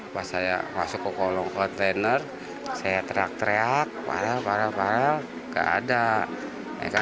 pas saya masuk ke kontainer saya teriak teriak parah parah parah nggak ada